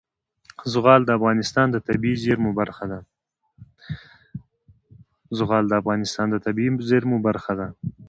زغال د افغانستان د طبیعي زیرمو برخه ده.